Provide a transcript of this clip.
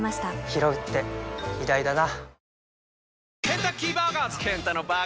ひろうって偉大だな